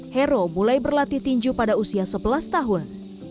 hero mulai berlatih tinju pada usia sebelas tahun